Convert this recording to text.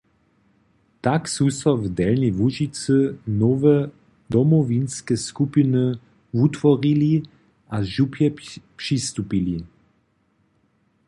Tak su so w Delnjej Łužicy nowe Domowinske skupiny wutworili a župje přistupili.